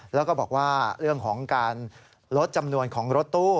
แล้วก็บอกว่าเรื่องของการลดจำนวนของรถตู้